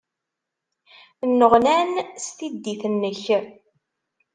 Nneɣnaɣ s tiddit-nnek.